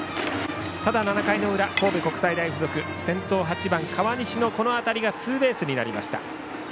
ただ７回裏神戸国際大付属は先頭８番、川西の当たりがツーベースになりました。